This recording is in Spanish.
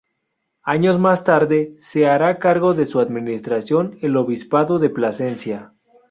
Años más tarde, se hará cargo de su administración el obispado de Plasencia.